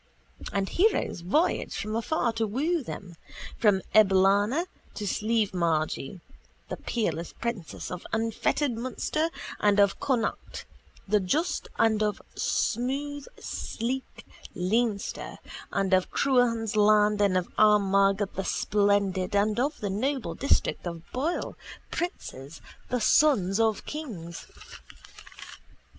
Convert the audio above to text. And heroes voyage from afar to woo them, from Eblana to Slievemargy, the peerless princes of unfettered Munster and of Connacht the just and of smooth sleek Leinster and of Cruachan's land and of Armagh the splendid and of the noble district of Boyle, princes, the sons of kings.